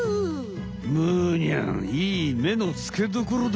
むーにゃん！いい目のつけどころだ！